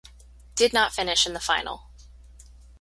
Did not finish in the final